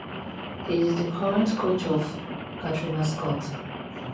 He is the current coach of Katrina Scott.